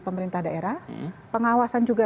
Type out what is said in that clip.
pemerintah daerah pengawasan juga